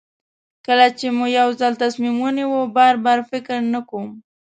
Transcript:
کله چې مې یو ځل تصمیم ونیو بار بار فکر نه کوم.